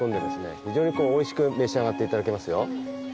非常においしく召し上がって頂けますよ。